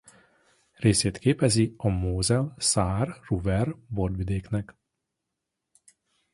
Részét képezi a Mosel-Saar-Ruwer borvidéknek.